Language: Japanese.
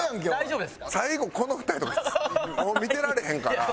最後この２人とかもう見てられへんから。